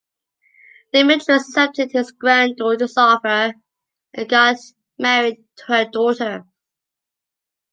Demetrius accepted his granddaughter’s offer and got married to her daughter.